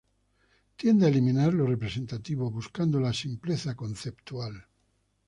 Tiende a eliminar lo representativo, buscando la simpleza conceptual.